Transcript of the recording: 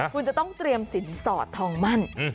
คุณจะต้องเตรียมสินสอดทองมั่น